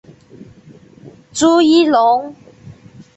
朱一龙